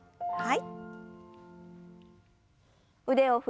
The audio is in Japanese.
はい。